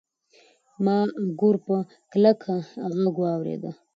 ما ګور په کلک غږ واورېد.